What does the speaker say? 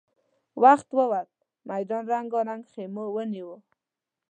وخت ووت، ميدان رنګارنګ خيمو ونيو.